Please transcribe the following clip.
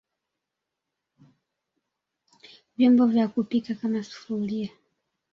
vyombo vya kupika kama Sufuria